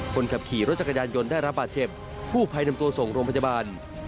คนขับขี่รถจักรยานยนต์ได้รับบาดเจ็บกู้ภัยนำตัวส่งโรงพยาบาล